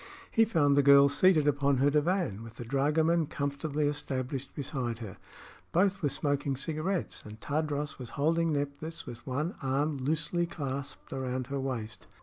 He found the girl seated upon her divan, with the dragoman comfortably established beside her. Both were smoking cigarettes and Tadros was holding Nephthys with one arm loosely clasped around her waist.